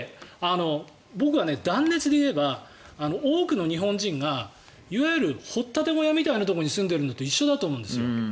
僕は断熱でいえば多くの日本人がいわゆる掘っ立て小屋みたいなところに住んでいるのと一緒だと思うんです。